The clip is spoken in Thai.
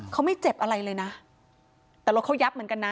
เขาไม่เจ็บอะไรเลยนะแต่รถเขายับเหมือนกันนะ